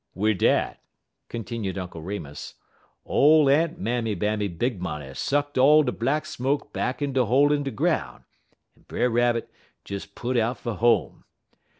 "Wid dat," continued Uncle Remus, "ole Aunt Mammy Bammy Big Money sucked all de black smoke back in de hole in de groun', and Brer Rabbit des put out fer home.